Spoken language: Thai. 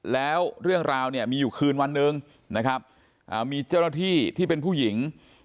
แล้วเรื่องราวเนี่ยมีอยู่คืนวันหนึ่งนะครับมีเจ้าหน้าที่ที่เป็นผู้หญิง